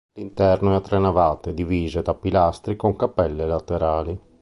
L'interno è a tre navate divise da pilastri, con cappelle laterali.